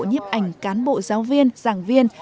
nhếp ảnh cán bộ giáo viên giảng viên